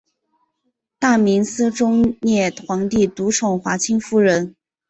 大明思宗烈皇帝独宠华清夫人。